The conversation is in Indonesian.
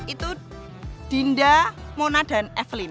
itu dinda mona dan evelyn